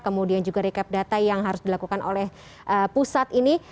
kemudian juga recap data yang harus dilakukan oleh pusat ini